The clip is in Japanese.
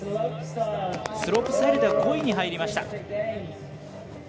スロープスタイルでは５位に入りました。